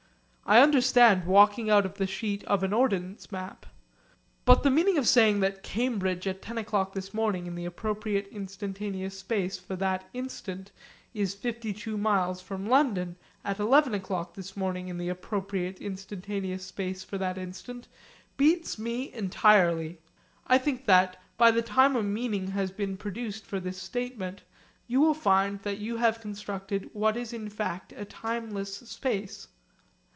I understand walking out of the sheet of an ordnance map. But the meaning of saying that Cambridge at 10 o'clock this morning in the appropriate instantaneous space for that instant is 52 miles from London at 11 o'clock this morning in the appropriate instantaneous space for that instant beats me entirely. I think that, by the time a meaning has been produced for this statement, you will find that you have constructed what is in fact a timeless space.